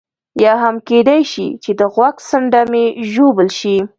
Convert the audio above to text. یا هم کېدای شي چې د غوږ څنډه مې ژوبل شي.